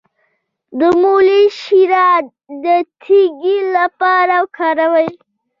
د مولی شیره د تیږې لپاره وکاروئ